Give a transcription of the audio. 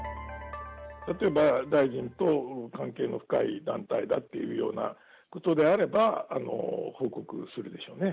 例えば、大臣と関係の深い団体だっていうようなことであれば、報告するでしょうね。